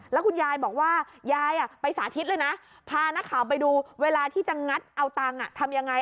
แล้วคุณยายบอกว่ายายไปสาธิตเลยนะพานักข่าวไปดูเวลาที่จะงัดเอาตังค์ทำยังไง